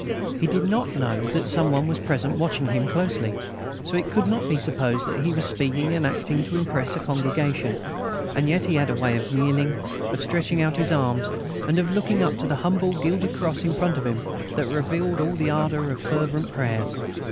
He did not know that some one was present watching him closely; so it could not be supposed that he was speaking and acting to impress a congregation, and yet he had a way of kneeling, of stretching out his arms and of looking up to the humble gilded cross in front of him, that revealed all the ardour of fervent prayers.